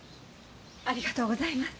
ありがとうございます。